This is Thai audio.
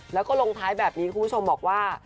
แล้วก็ลงท้ายแบบนี้คุณผู้ชมบอกว่า